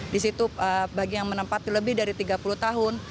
di situ bagi yang menempati lebih dari tiga puluh tahun